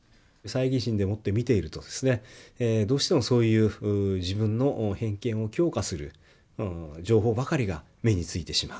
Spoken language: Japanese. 猜疑心でもって見ているとどうしてもそういう自分の偏見を強化する情報ばかりが目についてしまう。